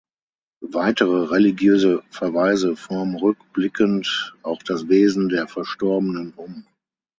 Weitere religiöse Verweise formen rückblickend auch das Wesen der Verstorbenen um.